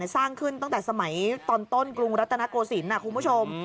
สร้างขึ้นตั้งแต่สมัยตอนต้นกรุงรัตนโกศิลป์คุณผู้ชม